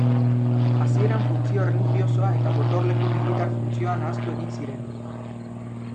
Hasieran funtzio erlijiosoa eta gotorleku militar funtzioa nahastu egin ziren.